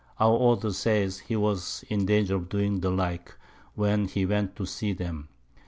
Our Author says he was in danger of doing the like, when he went to see them.